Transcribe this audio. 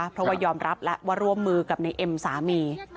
เพราะว่ายอมรับแล้วว่าร่วมมือกับในเอ็มสามี